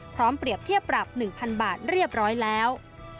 เปรียบเทียบปรับ๑๐๐๐บาทเรียบร้อยแล้ว